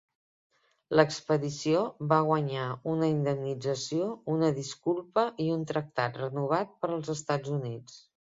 L'expedició va guanyar una indemnització, una disculpa i un tractat renovat per als Estats Units.